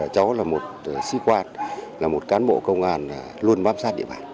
cháu là một sĩ quan là một cán bộ công an luôn bám sát địa bàn